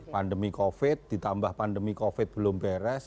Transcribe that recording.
pandemi covid ditambah pandemi covid belum beres